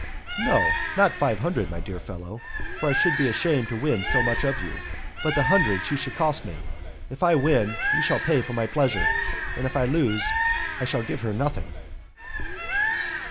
"No, not five hundred, my dear fellow, for I should be ashamed to win so much of you, but the hundred she would cost me. If I win, you shall pay for my pleasure, and if I lose I shall give her nothing."